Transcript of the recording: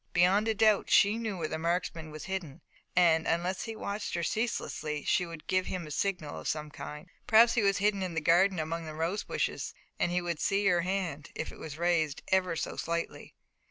Beyond a doubt she knew where the marksman was hidden, and, unless he watched her ceaselessly, she would give him a signal of some kind. Perhaps he was hidden in the garden among the rose bushes, and he would see her hand, if it was raised ever so slightly.